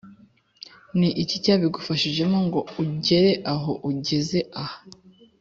ni iki cyabigufashijemo ngo ugere aho ugeze aha?